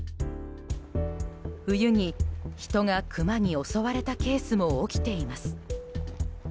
冬に人がクマに襲われたケースも起きています。